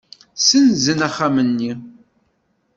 Ssenzen axxam-nni.